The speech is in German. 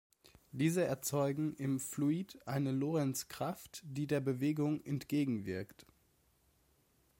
Diese erzeugen im Fluid eine Lorentzkraft, die der Bewegung entgegenwirkt.